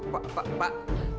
pak pak pak